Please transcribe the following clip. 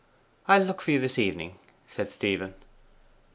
'I'll look for you this evening,' said Stephen.